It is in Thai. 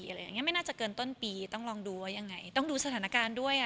อะไรอย่างเงี้ไม่น่าจะเกินต้นปีต้องลองดูว่ายังไงต้องดูสถานการณ์ด้วยอ่ะ